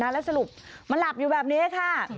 แล้วสรุปมันหลับอยู่แบบนี้ค่ะ